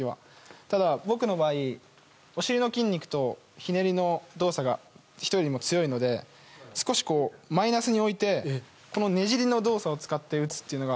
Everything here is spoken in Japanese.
ただ、僕の場合はお尻の筋肉とひねりの動作が人よりも強いので少しマイナスに置いてねじりの動作を使って打つというのが。